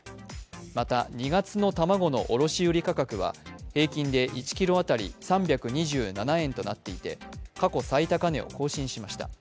また２月の卵の卸売価格は平均で１ｋｇ当たり３２５円となっていて過去最高値を更新しました。